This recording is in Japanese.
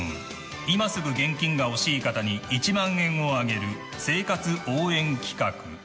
今すぐ現金が欲しい方に１万円をあげる生活応援企画。